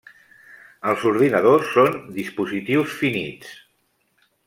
Els ordinadors són dispositius finits.